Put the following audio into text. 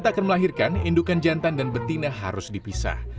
tak akan melahirkan indukan jantan dan betina harus dipisah